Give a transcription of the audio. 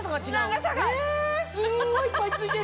すんごいいっぱい付いてる！